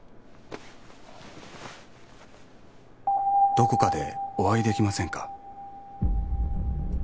「どこかでお会いできませんか？」。